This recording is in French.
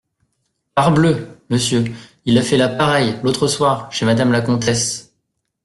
Parbleu ! monsieur, il a fait la pareille, l’autre soir, chez madame la comtesse.